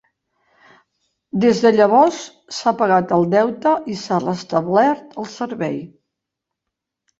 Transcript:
Des de llavors s'ha pagat el deute i s'ha restablert el servei.